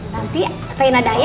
nanti raina daya